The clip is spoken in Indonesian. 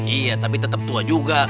iya tapi tetap tua juga